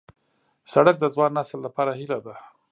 سړک د ځوان نسل لپاره هیله ده.